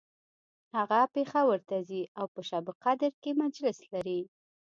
هغه پیښور ته ځي او په شبقدر کی مجلس لري